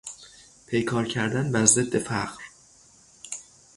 پیکار کردن بر ضد فقر